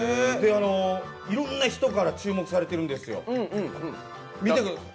いろいろな人から注目されてるんですよ。